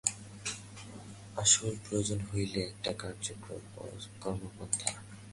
আসল প্রয়োজন হইল একটি কার্যকর কর্মপন্থা।